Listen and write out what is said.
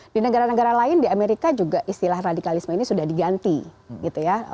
di negara negara lain di amerika juga istilah radikalisme ini sudah diganti gitu ya